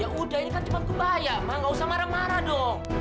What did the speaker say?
ya udah ini kan cuma kebaya mah gak usah marah marah dong